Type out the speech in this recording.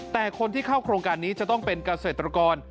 แต่คนที่เข้าโครงการนี้จะต้องเป็นเกษตรกร